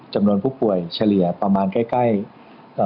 จำโน่นผู้ป่วยเฉลี่ยประมาณใกล้